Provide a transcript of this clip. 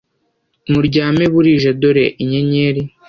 muryame burije doore inyenyeri